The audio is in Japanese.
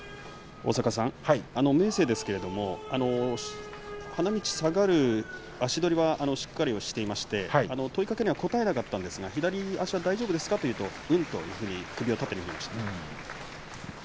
明生ですが花道を下がる足取りはしっかりしていまして問いかけには応えなかったんですが左足は大丈夫ですか？と聞くとうんと首を縦に振りました。